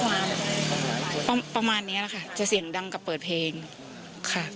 ประมาณประมาณเนี้ยแหละค่ะจะเสียงดังกับเปิดเพลงค่ะ